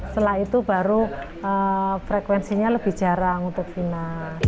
setelah itu baru frekuensinya lebih jarang untuk final